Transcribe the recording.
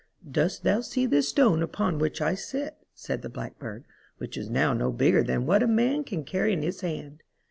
" Dost thou see this stone upon which I sit," said the Blackbird, " which is now no bigger than what a man can carry in his hand?